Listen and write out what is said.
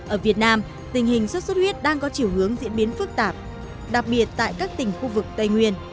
ở việt nam tình hình xuất xuất huyết đang có chiều hướng diễn biến phức tạp đặc biệt tại các tỉnh khu vực tây nguyên